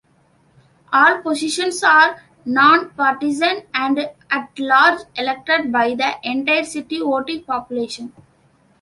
All positions are nonpartisan and at-large, elected by the entire city voting population.